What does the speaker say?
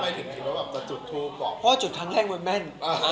เพราะว่าจุดทั้งแรกเมื่อแม่น